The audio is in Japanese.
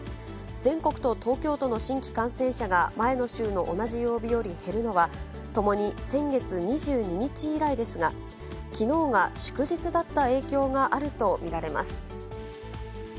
全国と東京都の新規感染者が前の週の同じ曜日より減るのは、ともに先月２２日以来ですが、きのうが祝日だった影響があると見られます。